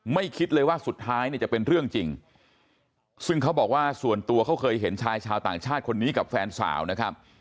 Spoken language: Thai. คิดเลยว่าสุดท้ายเนี่ยจะเป็นเรื่องจริงซึ่งเขาบอกว่าส่วนตัวเขาเคยเห็นชายชาวต่างชาติคนนี้กับแฟนสาวนะครับ